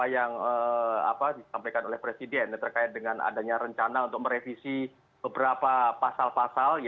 yang disampaikan oleh presiden terkait dengan adanya rencana untuk merevisi beberapa pasal pasal